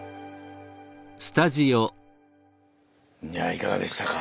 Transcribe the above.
いやぁいかがでしたか。